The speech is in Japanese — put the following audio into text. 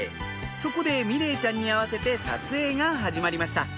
そこで美玲ちゃんに合わせて撮影が始まりました